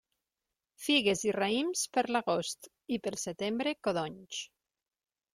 Figues i raïms per l'agost, i pel setembre codonys.